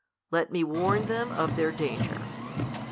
Let me warn them of their danger.